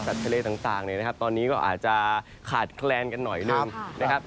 ทะเลต่างเนี่ยนะครับตอนนี้ก็อาจจะขาดแคลนกันหน่อยหนึ่งนะครับ